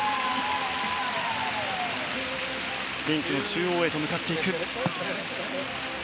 リンクの中央へと向かっていく。